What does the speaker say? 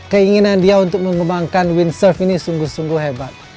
keinginan dia untuk mengembangkan windsurve ini sungguh sungguh hebat